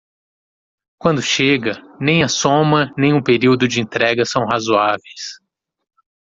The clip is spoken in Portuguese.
Quando chega, nem a soma nem o período de entrega são razoáveis.